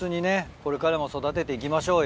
これからも育てて行きましょうよ。